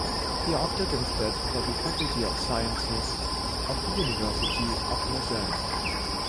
He opted instead for the Faculty of Sciences of the University of Lausanne.